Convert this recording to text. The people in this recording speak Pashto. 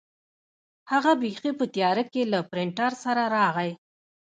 هغه بیخي په تیاره کې له پرنټر سره راغی.